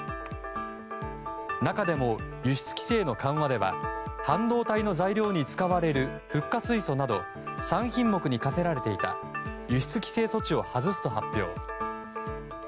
中でも輸出規制の緩和では半導体の材料に使われるフッ化水素など３品目に課せられていた輸出規制措置を外すと発表。